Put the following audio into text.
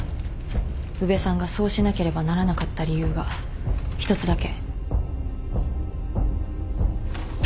宇部さんがそうしなければならなかった理由が１つだけ。